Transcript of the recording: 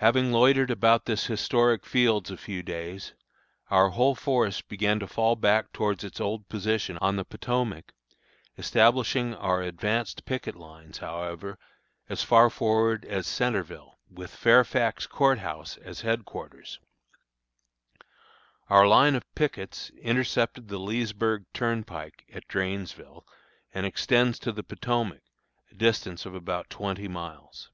Having loitered about these historic fields a few days, our whole force began to fall back towards its old position on the Potomac, establishing our advanced picket lines, however, as far forward as Centreville, with Fairfax Court House as headquarters. Our line of pickets intercepts the Leesburg turnpike at Drainesville and extends to the Potomac, a distance of about twenty miles.